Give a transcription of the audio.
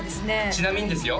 ちなみにですよ